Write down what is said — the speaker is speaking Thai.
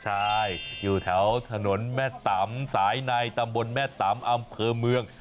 ใช่อยู่แถวถนนแม่ตำสายในตำบลแม่ตำอำเภอเมือง